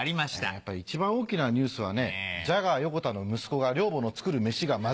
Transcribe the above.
やっぱ一番大きなニュースはねジャガー横田の息子が寮母の作るメシがまずいって。